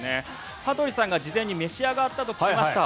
羽鳥さんが事前に召し上がったと聞きました。